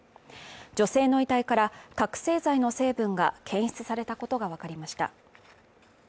女性の遺体から覚醒剤の成分が検出されたことがわかりました。